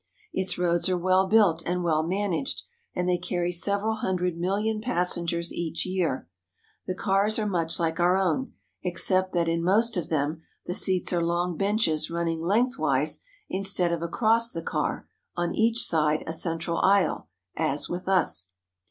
Its roads are well built and well managed, and they carry several hundred million passengers each year. The cars are much like our own, except that in most of them the seats are long benches running lengthwise instead of across the car on each side a central aisle, as with us.